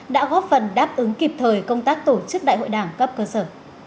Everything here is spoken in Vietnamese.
đã góp phần đáp ứng kịp thời công tác tổ chức đại hội đảng cấp cơ sở